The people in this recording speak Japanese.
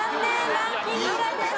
ランキング外です。